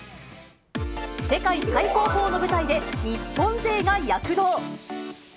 世界最高峰の舞台で日本勢が躍動。